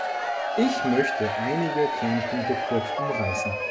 Ich möchte einige Kernpunkte kurz umreißen.